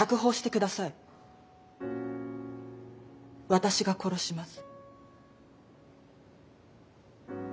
私が殺します。